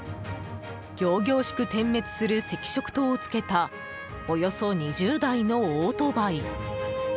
仰々しく点滅する赤色灯をつけたおよそ２０台のオートバイ。